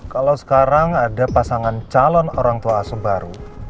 kalau sekarang ada pasangan calon orang tua asuh baru